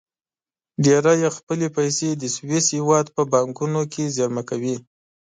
ډېری یې خپلې پیسې د سویس هېواد په بانکونو کې زېرمه کوي.